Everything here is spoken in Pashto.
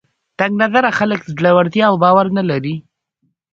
تنګ نظره خلک زړورتیا او باور نه لري